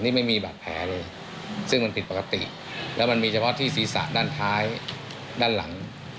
นี่ไม่มีบาดแผลเลยซึ่งมันผิดปกติแล้วมันมีเฉพาะที่ศีรษะด้านท้ายด้านหลัง